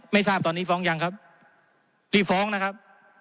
ไม่ทราบตอนนี้ฟ้องยังครับรีบฟ้องนะครับ